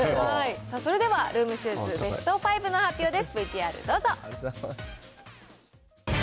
それではルームシューズ、ベスト５の発表です。